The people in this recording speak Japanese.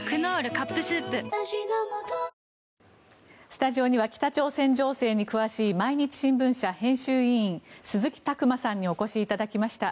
スタジオには北朝鮮情勢に詳しい毎日新聞社編集委員鈴木琢磨さんにお越しいただきました。